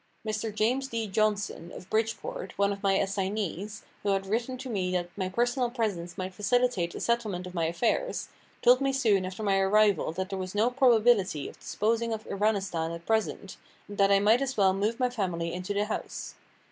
Mr. James D. Johnson, of Bridgeport, one of my assignees, who had written to me that my personal presence might facilitate a settlement of my affairs, told me soon after my arrival that there was no probability of disposing of Iranistan at present, and that I might as well move my family into the house.